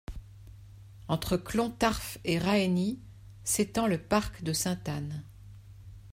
Entre Clontarf et Raheny s'étend le parc de Sainte-Anne.